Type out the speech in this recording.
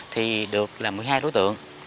thì được là một mươi hai đối tượng